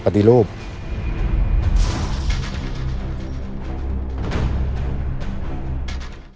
โปรดติดตามตอนต่อไป